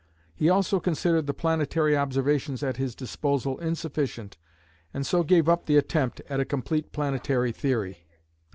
He also considered the planetary observations at his disposal insufficient and so gave up the attempt at a complete planetary theory.